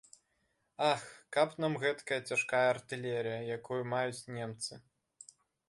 Ах, каб нам гэткая цяжкая артылерыя, якую маюць немцы.